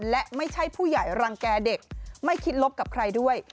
และไม่ใช่ผู้ใหญ่รังแก่เด็กไม่คิดลบกับใครด้วย